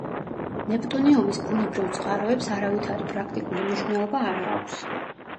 ნეპტუნიუმის ბუნებრივ წყაროებს არავითარი პრაქტიკული მნიშვნელობა არ ააქვს.